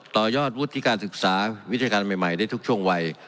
ต่อยอดวุฒิการศึกษาวิชาการใหม่ได้ทุกช่วงวัย